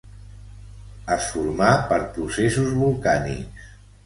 Es formà per processos volcànics.